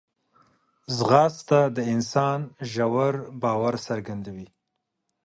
ځغاسته د انسان ژور باور څرګندوي